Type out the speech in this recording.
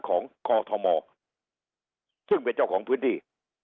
ของกอทมซึ่งเป็นเจ้าของพื้นที่